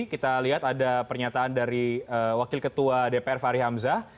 kita lihat ada pernyataan dari wakil ketua dpr fahri hamzah